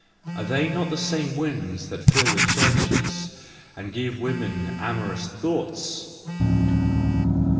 Are they not the same winds that fill the churches and give women amorous thoughts